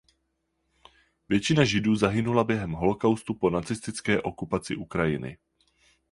Většina Židů zahynula během holokaustu po nacistické okupaci Ukrajiny.